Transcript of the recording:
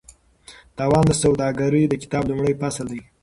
تاوان د سوداګرۍ د کتاب لومړی فصل دی.